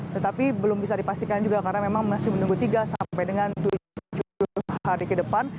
tetapi belum bisa dipastikan juga karena memang masih menunggu tiga sampai dengan tujuh hari ke depan